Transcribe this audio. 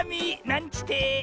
なんちて。